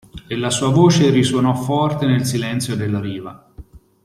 E la sua voce risuonò forte nel silenzio della riva.